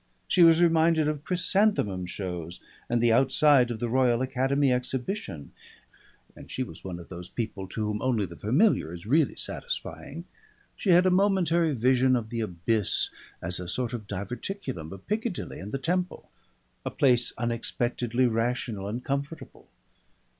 She was reminded of chrysanthemum shows and the outside of the Royal Academy exhibition and she was one of those people to whom only the familiar is really satisfying. She had a momentary vision of the abyss as a sort of diverticulum of Piccadilly and the Temple, a place unexpectedly rational and comfortable.